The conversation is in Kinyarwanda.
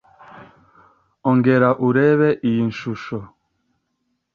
Ongera urebe iyi shusho.